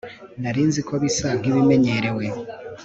nari nzi ko bisa nkibimenyerewe